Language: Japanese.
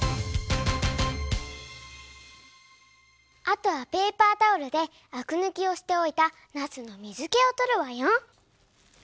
あとはペーパータオルであくぬきをしておいたなすのみずけをとるわよ。